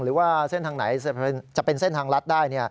หรือว่าเส้นทางไหนจะเป็นเส้นทางลัดได้